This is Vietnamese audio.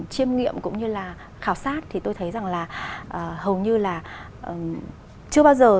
chiêm nghiệm cũng như là khảo sát thì tôi thấy rằng là hầu như là chưa bao giờ